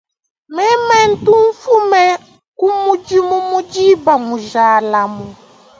Mema ntu nfuma kumudimu mu diba mujalamu.